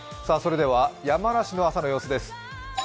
山梨の朝の様子です。